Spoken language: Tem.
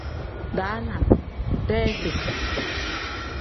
Daana pl: deezi n.